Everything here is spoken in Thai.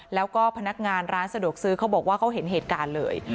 แล้วก็พนักงานร้านสะดวกซื้อเขาบอกว่าเขาเห็นเหตุการณ์เลย